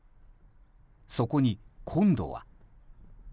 そこに今度は。